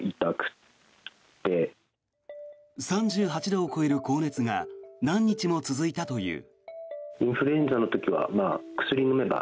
３８度を超える高熱が何日も続いたという。